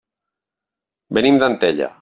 Venim d'Antella.